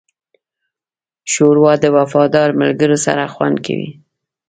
ښوروا د وفادار ملګرو سره خوند کوي.